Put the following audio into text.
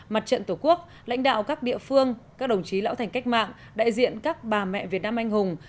mặt trận tổ quốc lãnh đạo các địa phương các đồng chí lão thành cách mạng đại diện các bà mẹ việt nam anh hùng